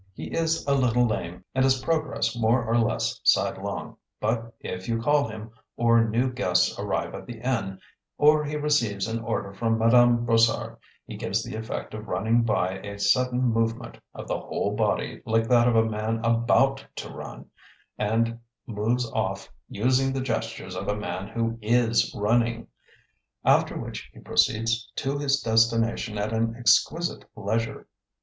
He is a little lame and his progress more or less sidelong, but if you call him, or new guests arrive at the inn, or he receives an order from Madame Brossard, he gives the effect of running by a sudden movement of the whole body like that of a man ABOUT to run, and moves off using the gestures of a man who IS running; after which he proceeds to his destination at an exquisite leisure.